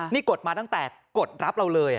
นี่กดมาตั้งแต่กดรับเราเลย